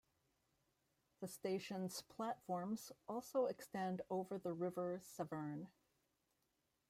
The station's platforms also extend over the River Severn.